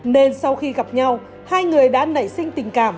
nên sau khi gặp nhau hai người đã nảy sinh tình cảm